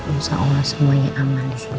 usaha allah semuanya aman disini